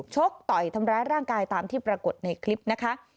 ชกต่อยทำร้ายร่างกายตามที่ปรากฏในคลิปนะคะ